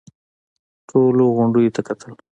ټولو غونډيو ته کتل.